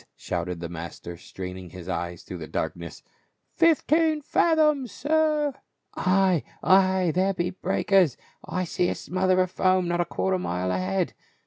shouted the master, straining his eyes through the darkness. " Fifteen fathoms, sir." "Ay, ay, there be breakers! I see a smother of foam not a quarter of a mile ahead.